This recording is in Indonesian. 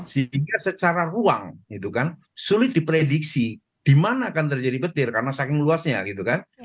sehingga secara ruang sulit diprediksi dimana akan terjadi petir karena saking luasnya gitu kan